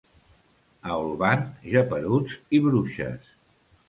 A Olvan, geperuts i bruixes.